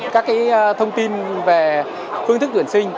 các thông tin về phương thức tuyển sinh